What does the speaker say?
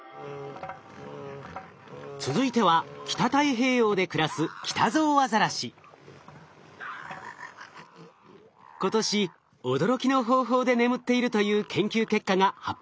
続いては北太平洋で暮らす今年驚きの方法で眠っているという研究結果が発表されました。